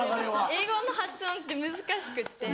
英語の発音って難しくって。